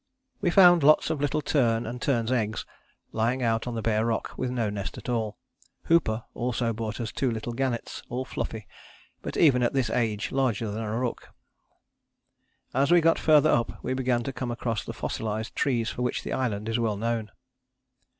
"We found lots of little tern and terns' eggs, lying out on the bare rock with no nest at all. Hooper also brought us two little gannets all fluffy, but even at this age larger than a rook. As we got further up we began to come across the fossilized trees for which the island is well known.